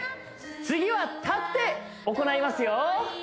次は立って行いますよＯＫ